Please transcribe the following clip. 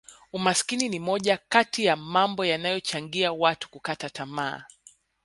umaskini ni moja kati ya mambo yanayochangia watu kukata tamaa